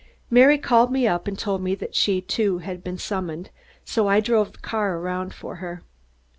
Mary called me up and told me that she, too, had been summoned, so I drove the car around for her.